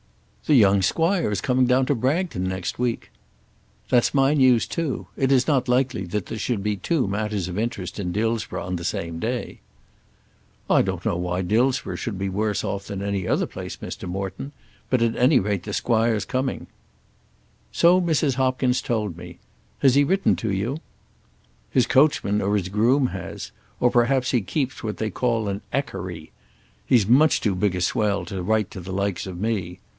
"The young squire is coming down to Bragton next week." "That's my news too. It is not likely that there should be two matters of interest in Dillsborough on the same day." "I don't know why Dillsborough should be worse off than any other place, Mr. Morton; but at any rate the squire's coming." "So Mrs. Hopkins told me. Has he written to you?" "His coachman or his groom has; or perhaps he keeps what they call an ekkery. He's much too big a swell to write to the likes of me.